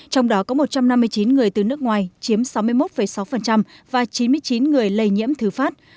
trong đó có một trăm năm mươi chín người từ nước ngoài chiếm sáu mươi một sáu và chín mươi chín người lây nhiễm thứ phát